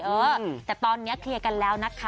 เออแต่ตอนนี้เคลียร์กันแล้วนะคะ